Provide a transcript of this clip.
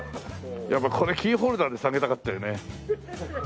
やっぱこれキーホルダーで下げたかったよね。